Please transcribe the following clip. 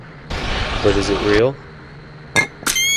But is it real?